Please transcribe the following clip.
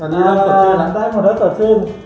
เหมือนได้หมดถ้าสดชื่น